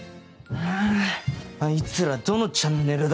あぁあいつらどのチャンネルだ？